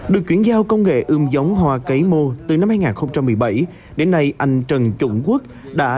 được chuyển giao công nghệ ươm giống hoa cấy mô từ năm hai nghìn một mươi bảy đến nay anh trần trung quốc đã